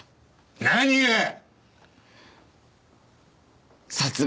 何が？